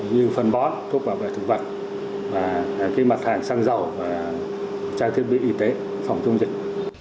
như phần bót thuốc bảo vệ thực vật mặt hàng xăng dầu trang thiết bị y tế phòng chống dịch